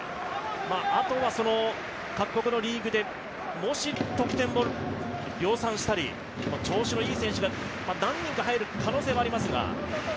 あとは各国のリーグでもし得点を量産したり、調子のいい選手が何人か入る可能性もありますが。